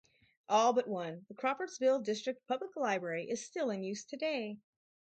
All but one, the Crawfordsville District Public Library, is still in use today.